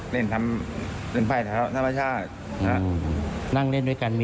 แล้วก็ย้ายมานั่งเล็กครับผม